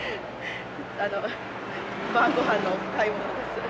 あの晩ごはんの買い物です。